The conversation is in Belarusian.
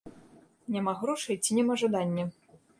Няма грошай ці няма жадання?